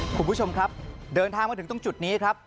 คุณผู้ชมครับเดินทางมาถึงตรงจุดนี้ครับ